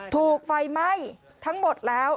ถูกไฟไหม้ทั้งหมดแล้ว